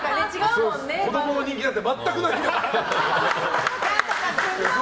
子供の人気なんて全くないから。